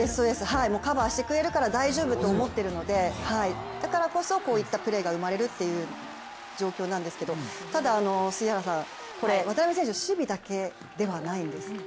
カバーしてくれるから大丈夫と思っているのでだからこそこういったプレーが生まれるという状況なんですけれども、ただ、これ渡辺選手、守備だけではないんです。